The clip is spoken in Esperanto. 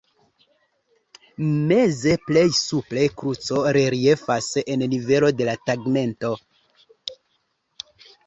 Meze plej supre kruco reliefas en nivelo de la tegmento.